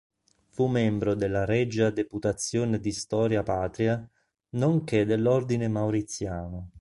Fu membro della Regia Deputazione di storia patria, nonché dell'Ordine Mauriziano.